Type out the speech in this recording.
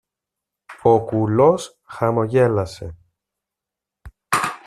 Ο κουλός χαμογέλασε.